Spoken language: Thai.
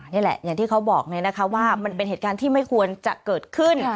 อย่างที่เขาบอกเลยนะคะว่ามันเป็นเหตุการณ์ที่ไม่ควรจะเกิดขึ้น